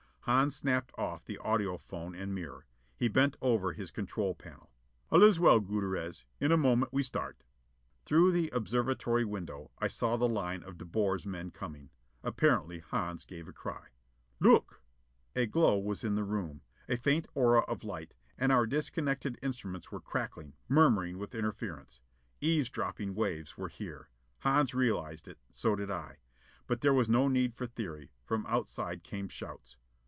Hans snapped off the audiphone and mirror. He bent over his control panel. "All is well, Gutierrez. In a moment we start." Through the observatory window I saw the line of De Boer's men coming: Abruptly Hans gave a cry. "Look!" A glow was in the room. A faint aura of light. And our disconnected instruments were crackling, murmuring with interference. Eavesdropping waves were here! Hans realised it: so did I. But there was no need for theory. From outside came shouts.